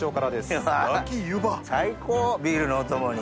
最高ビールのお供に。